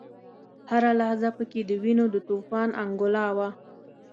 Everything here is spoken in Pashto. هره لحظه په کې د وینو د توپان انګولا وه.